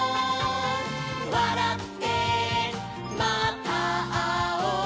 「わらってまたあおう」